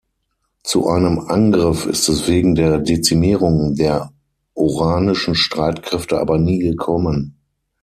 Zu einem Angriff ist es wegen der Dezimierung der oranischen Streitkräfte aber nie gekommen.